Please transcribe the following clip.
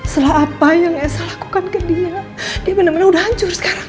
setelah apa yang esa lakukan ke dia dia benar benar udah hancur sekarang